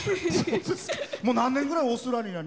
もう何年ぐらいオーストラリアに？